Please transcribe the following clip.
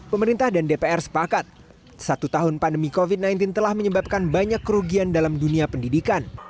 pemerintah dan dpr sepakat satu tahun pandemi covid sembilan belas telah menyebabkan banyak kerugian dalam dunia pendidikan